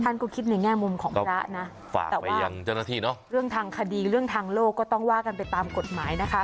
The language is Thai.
ท่านก็คิดในแง่มุมของพระนะฝากไปยังเจ้าหน้าที่เนอะเรื่องทางคดีเรื่องทางโลกก็ต้องว่ากันไปตามกฎหมายนะคะ